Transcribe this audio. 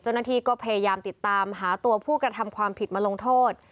เจ้าหน้าที่ก็พยายามติดตามหาตัวผู้กระทำความผิดมาลงโทษ